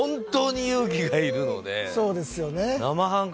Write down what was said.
そうですよね。